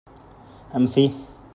En fi!